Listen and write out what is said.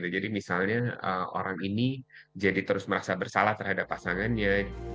jadi misalnya orang ini jadi terus merasa bersalah terhadap pasangannya